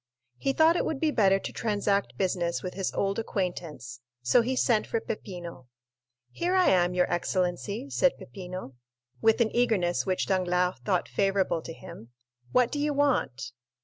He thought it would be better to transact business with his old acquaintance, so he sent for Peppino. "Here I am, your excellency," said Peppino, with an eagerness which Danglars thought favorable to him. "What do you want?"